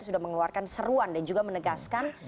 sudah mengeluarkan seruan dan juga menegaskan